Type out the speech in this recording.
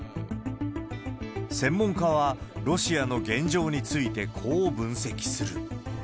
専門家は、ロシアの現状についてこう分析する。